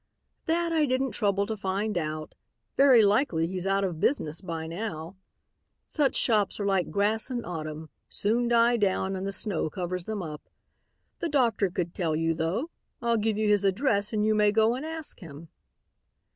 "That I didn't trouble to find out. Very likely he's out of business by now. Such shops are like grass in autumn, soon die down and the snow covers them up. The doctor could tell you though. I'll give you his address and you may go and ask him."